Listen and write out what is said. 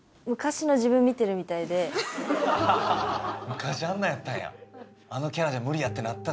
昔あんなんやったんや。